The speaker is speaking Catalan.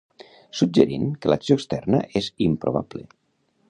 Suggerint que l'acció externa és improbable.